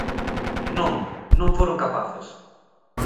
Non, non foron capaces.